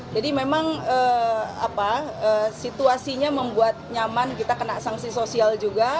jadi memang situasinya membuat nyaman kita kena sanksi sosial juga